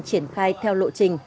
triển khai theo lộ trình